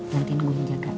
gantiin gue yang jaga